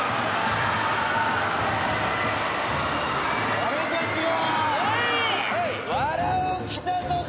俺たちが。